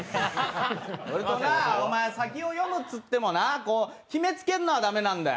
お前、先を読むっつってもな決めつけんのは駄目なんだよ。